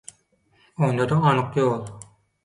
Onda-da anyk ýol.